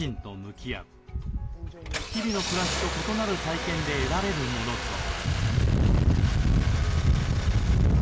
日々の暮らしと異なる体験で得られるものとは？